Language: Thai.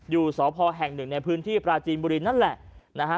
อยู่สพแห่งหนึ่งในพื้นที่ปราจีนบุรีนั่นแหละนะฮะ